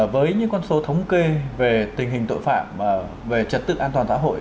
với những con số thống kê về tình hình tội phạm về trật tự an toàn xã hội